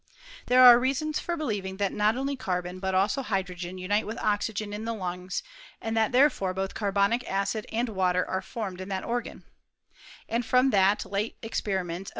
There are reasons for believing that not only car bon but also hydrogen unite with oxygen m the lungs, and that therefore both carbonic acid and vr THE 7SE8EKT STATU OF CUCUiaTKT. 3S3 water are formed in that organ. And from the Jate experiments of M.